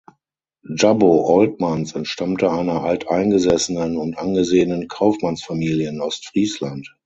Jabbo Oltmanns entstammte einer alteingesessenen und angesehenen Kaufmannsfamilie in Ostfriesland.